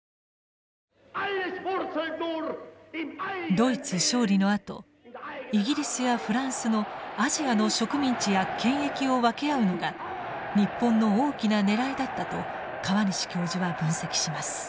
ドイツ勝利のあとイギリスやフランスのアジアの植民地や権益を分け合うのが日本の大きな狙いだったと河西教授は分析します。